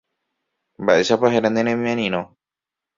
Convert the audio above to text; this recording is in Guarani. Mba'éichapa héra ne remiarirõ.